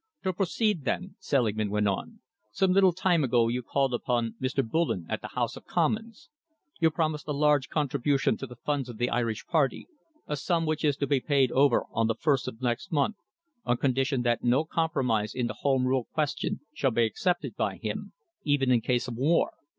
"To proceed, then," Selingman went on. "Some little time ago you called upon Mr. Bullen at the House of Commons. You promised a large contribution to the funds of the Irish Party, a sum which is to be paid over on the first of next month, on condition that no compromise in the Home Rule question shall be accepted by him, even in case of war.